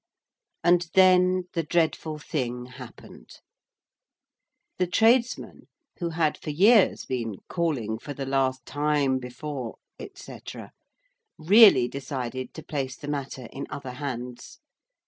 And then the dreadful thing happened. The tradesmen, who had for years been calling for the last time before, etc., really decided to place the matter in other hands.